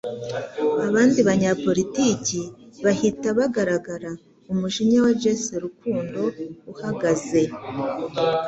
Abandi banyapolitiki bahita bagaragara: umujinya wa Jesse Rukundo uhagaze